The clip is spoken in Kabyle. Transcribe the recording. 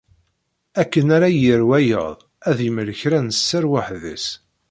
Akken ara yerr wayeḍ ad d-imel kra n sser weḥd-s.